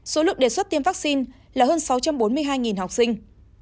số lượng đề xuất tiêm vaccine là hơn sáu trăm bốn mươi hai học sinh